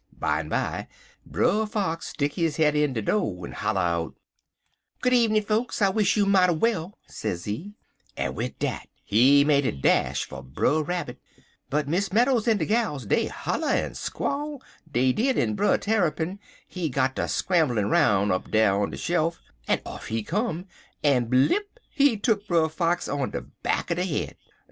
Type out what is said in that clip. "Bimeby Brer Fox stick his head in de do', en holler out: "'Good evenin', fokes, I wish you mighty well,' sezee, en wid dat he make a dash for Brer Rabbit, but Miss Meadows en de gals dey holler en squall, dey did, en Brer Tarrypin he got ter scramblin' roun' up dar on de shelf, en off he come, en blip he tuck Brer Fox on de back er de head.